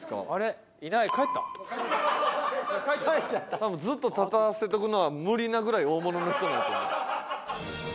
多分ずっと立たせておくのは無理なぐらい大物の人なのかも。